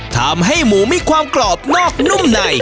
ทำให้หมูมีความกรอบนอกนุ่มใน